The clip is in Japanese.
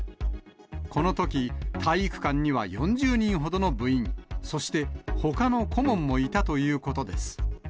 このとき、体育館には４０人ほどの部員、そして、ほかの顧問もいたということです。